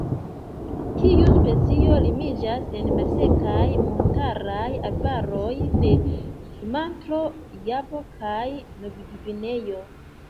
Tiu specio limiĝas en malsekaj montaraj arbaroj de Sumatro, Javo kaj Novgvineo.